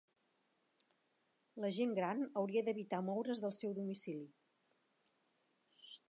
La gent gran hauria d'evitar moure's del seu domicili